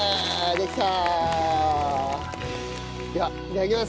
ではいただきます。